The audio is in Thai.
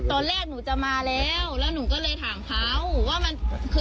ตอนแรกหนูจะมาแล้วแล้วหนูก็เลยถามเขาว่ามันคือ